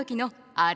あれ！？